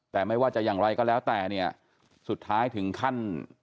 แต่ไม่ว่าจะอย่างไรก็แล้วแต่เนี่ยสุดท้ายถึงขั้น